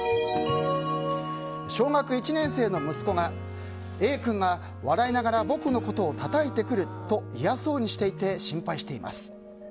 小学１年生の息子がＡ君が笑いながら僕のことをたたいてくると嫌そうにしていて心配しています。